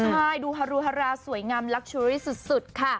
ใช่ดูฮารูฮาราสวยงามลักเชอรี่สุดค่ะ